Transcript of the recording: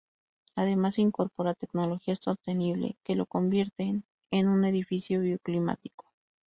Además incorpora tecnología sostenible que lo convierten en un edificio bioclimático.